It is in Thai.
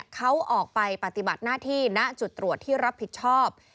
เขาออกไปปฏิบัติหน้าที่ณจุดตรวจที่รับผิดชอบ